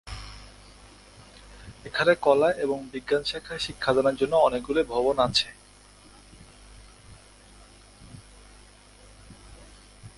এখানে কলা এবং বিজ্ঞান শাখায় শিক্ষাদানের জন্য অনেকগুলি ভবন আছে।